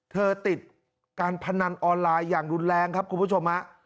เธอติดการพนันออนไลน์อย่างรุนแรงครับคุณผู้ชมฮะ